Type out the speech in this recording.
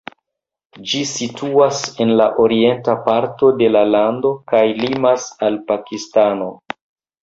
Ĝi situas en la orienta parto de la lando kaj limas al Pakistano.